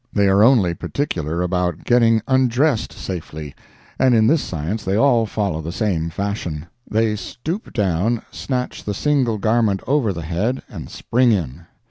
They are only particular about getting undressed safely, and in this science they all follow the same fashion. They stoop down snatch the single garment over the head, and spring in.